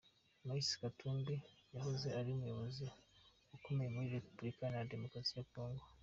Moise Katumbi, yahoze ari umuyobozi ukomeye muri Republika iharanira demokarasi ya kongo.